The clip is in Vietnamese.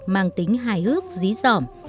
mang tính hài hước dí dòm